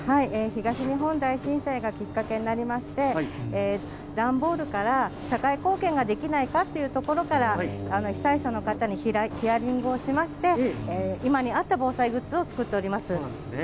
東日本大震災がきっかけになりまして、段ボールから社会貢献ができないかというところから、被災者の方にヒアリングをしまして、今に合った防災グッズを作っそうなんですね。